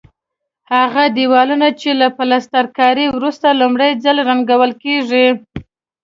هغه دېوالونه چې له پلسترکارۍ وروسته لومړی ځل رنګول کېږي.